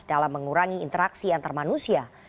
dalam mengurangi interaksi antar manusia